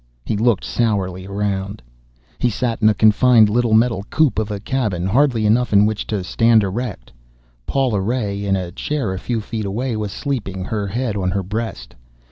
He looked sourly around. He sat in a confined little metal coop of a cabin, hardly enough in which to stand erect. Paula Ray, in a chair a few feet away was sleeping, her head on her breast.